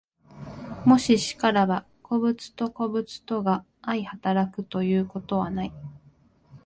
もし然らば、個物と個物とが相働くということはない。